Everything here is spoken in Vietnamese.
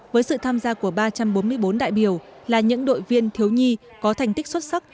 với sự tham gia của ba trăm bốn mươi bốn đại biểu là những đội viên thiếu nhi có thành tích xuất sắc